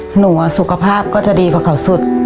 หนูสุขภาพก็จะดีกว่าเขาสุด